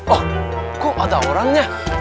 oh kok ada orangnya